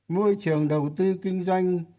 môi trường đầu tư kinh doanh